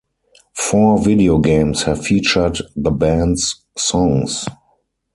Four video games have featured the band's songs.